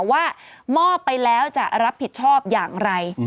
ว่ามอบไปแล้วจะรับผิดชอบอย่างไร